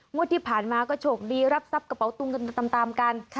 ที่ผ่านมาก็โชคดีรับทรัพย์กระเป๋าตุงกันตามกัน